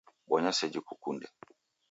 Bonya seji kukunde.